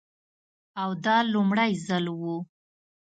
او دا لومړی ځل و.